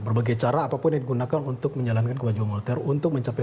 berbagai cara apapun yang digunakan untuk menjalankan kewajiban moneter untuk mencapai